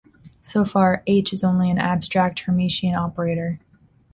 So far, H is only an abstract Hermitian operator.